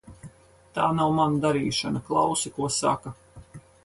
Tā nav mana darīšana. Klausi, ko saka.